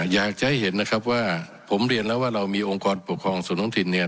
อยากจะให้เห็นนะครับว่าผมเรียนแล้วว่าเรามีองค์กรปกครองส่วนท้องถิ่นเนี่ย